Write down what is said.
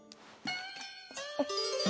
あっ。